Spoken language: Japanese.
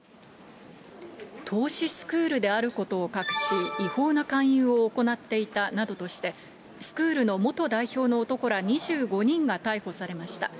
投資スクールであることを隠し、違法な勧誘を行っていたなどとして、スクールの元代表の男ら２５人が逮捕されました。